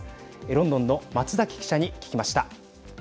ロンドンの松崎記者に聞きました。